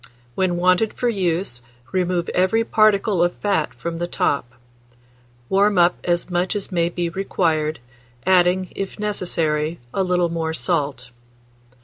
When wanted for use, remove every particle of fat from the top; warm up as much as may be required, adding, if necessary, a little more salt.